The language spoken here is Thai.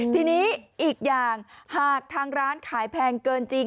ทีนี้อีกอย่างหากทางร้านขายแพงเกินจริง